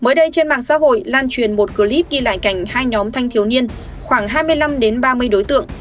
mới đây trên mạng xã hội lan truyền một clip ghi lại cảnh hai nhóm thanh thiếu niên khoảng hai mươi năm ba mươi đối tượng